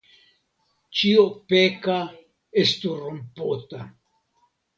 Ĉio peka estu rompota.